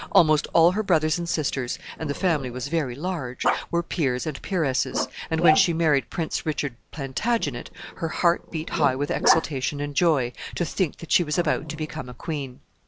Almost all her brothers and sisters and the family was very large were peers and peeresses, and when she married Prince Richard Plantagenet, her heart beat high with exultation and joy to think that she was about to become a queen.